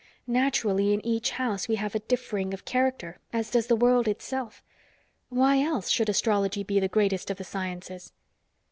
Naturally, in each House we have a differing of character, as does the world itself. Why else should astrology be the greatest of the sciences?"